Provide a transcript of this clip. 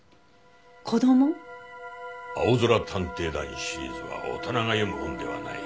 『あおぞら探偵団』シリーズは大人が読む本ではない。